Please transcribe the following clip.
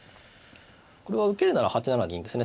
これは受けるなら８七銀ですね